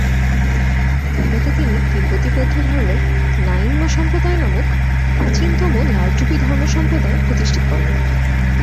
তিব্বতে তিনি তিব্বতী বৌদ্ধধর্মের র্ন্যিং মা সম্প্রদায় নামক প্রাচীনতম লাল টুপি ধর্মসম্প্রদায় প্রতিষ্ঠা করেন।